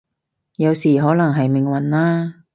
有時可能係命運啦